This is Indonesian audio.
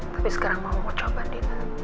tapi sekarang mama mau coba dina